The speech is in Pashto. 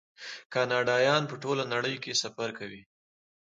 کاناډایان په ټوله نړۍ کې سفر کوي.